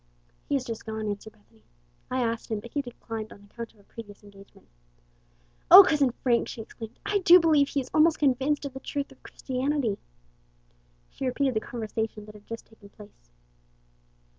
"He has just gone," answered Bethany. "I asked him, but he declined on account of a previous engagement. O, Cousin Frank," she exclaimed, "I do believe he is almost convinced of the truth of Christianity!" She repeated the conversation that had just taken place.